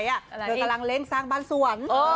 เธอกำลังเร่งสร้างบ้านสวน